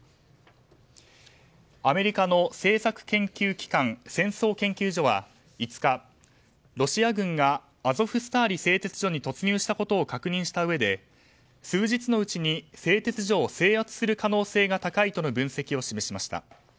アメリカの政策研究機関戦争研究所は５日、ロシア軍がアゾフスターリ製鉄所に突入したことを確認したうえで数日のうちに製鉄所を制圧する可能性が高いとの分析を示しました。